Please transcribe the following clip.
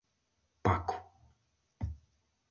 Paco.